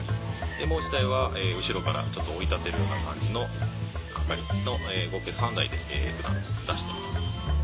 もう一台は後ろからちょっと追い立てるな感じの係の合計３台で車出してます。